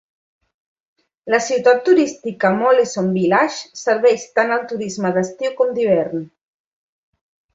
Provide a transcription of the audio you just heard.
La ciutat turística Moléson-Village serveix tant el turisme d'estiu com d'hivern.